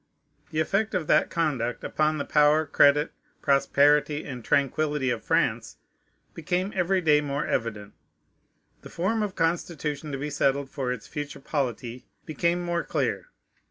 The effect of that conduct upon the power, credit, prosperity, and tranquillity of France became every day more evident. The form of constitution to be settled, for its future polity, became more clear.